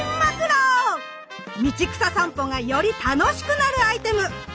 道草さんぽがより楽しくなるアイテム！